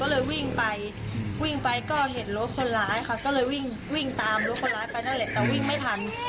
ก็เลยวิ่งไปวิ่งไปก็เห็นรถคนร้ายค่ะก็เลยวิ่งวิ่งตามรถคนร้ายไปนั่นแหละแต่วิ่งไม่ทัน